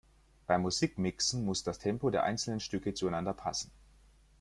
Beim Musikmixen muss das Tempo der einzelnen Stücke zueinander passen.